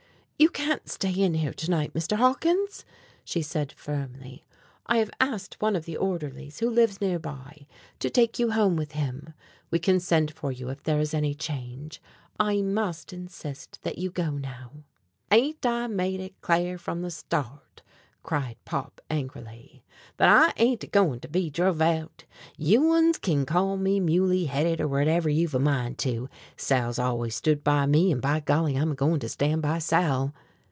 "You can't stay in here to night, Mr. Hawkins," she said firmly. "I have asked one of the orderlies, who lives nearby, to take you home with him. We can send for you if there is any change. I must insist that you go now." "Ain't I made it cl'ar from the start," cried Pop angrily, "thet I ain't a goin' to be druv out? You uns kin call me muley headed or whatever you've a mind to. Sal's always stood by me, and by golly, I'm a goin' to stand by Sal!"